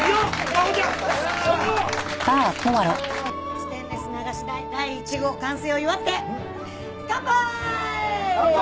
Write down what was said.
ステンレス流し台第１号完成を祝って乾杯！